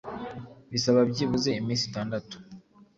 bisaba byibuze iminsi itandatu